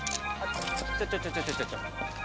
ちょちょちょちょ！